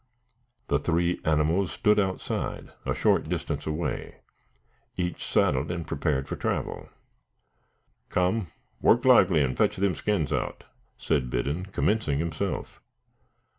The three animals stood outside, a short distance away, each saddled and prepared for travel. "Come, work lively, and fetch them skins out," said Biddon, commencing himself.